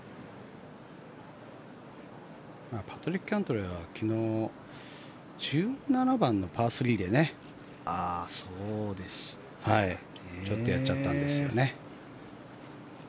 パトリック・キャントレーは昨日、１７番のパー３でねちょっとやっちゃったんですよね。